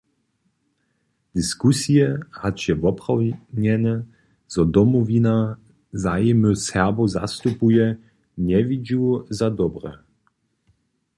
Diskusije, hač je woprawnjene, zo Domowina zajimy Serbow zastupuje, njewidźu za dobre.